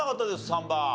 ３番。